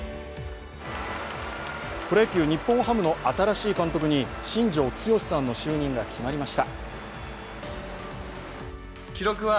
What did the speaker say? プロ野球、日本ハムの新しい監督に新庄剛志さんの就任が決まりました。